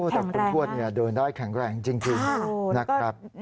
แข็งแรงมากคุณทวดเดินได้แข็งแรงจริงนะครับ